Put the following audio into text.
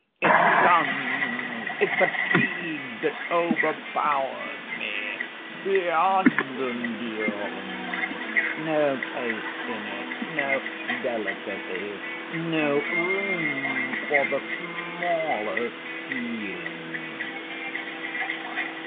it stuns, it fatigues, it overpowers me beyond endurance! no taste in it, no delicacy, no room for the smallest feeling."